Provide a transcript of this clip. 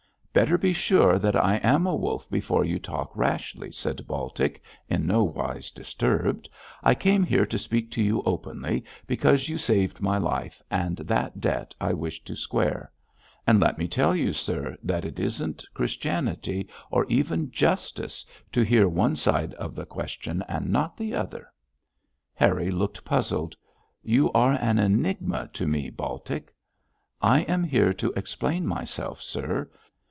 'Better be sure that I am a wolf before you talk rashly,' said Baltic, in no wise disturbed. 'I came here to speak to you openly, because you saved my life, and that debt I wish to square. And let me tell you, sir, that it isn't Christianity, or even justice, to hear one side of the question and not the other.' Harry looked puzzled. 'You are an enigma to me, Baltic.' 'I am here to explain myself, sir.